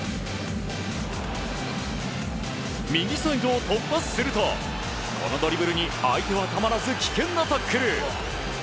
右サイドを突破するとこのドリブルに相手はたまらず危険なタックル。